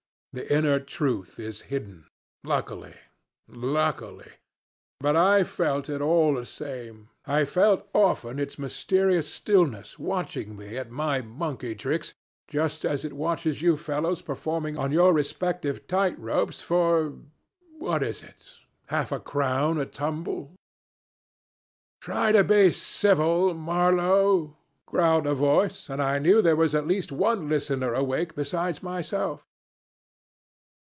The inner truth is hidden luckily, luckily. But I felt it all the same; I felt often its mysterious stillness watching me at my monkey tricks, just as it watches you fellows performing on your respective tight ropes for what is it? half a crown a tumble " "Try to be civil, Marlow," growled a voice, and I knew there was at least one listener awake besides myself.